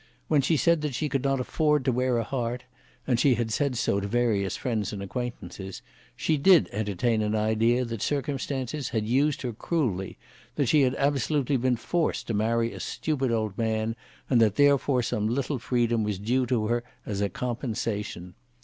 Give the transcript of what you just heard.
When she said that she could not afford to wear a heart, and she had said so to various friends and acquaintances, she did entertain an idea that circumstances had used her cruelly, that she had absolutely been forced to marry a stupid old man, and that therefore some little freedom was due to her as a compensation.